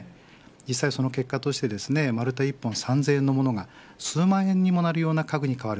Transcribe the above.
実際結果として丸太一本３０００円のものが数万円にもなりような家具に変わる。